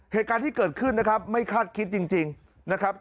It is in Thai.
เหตุการณ์ที่เกิดขึ้นนะครับไม่คาดคิดจริงนะครับ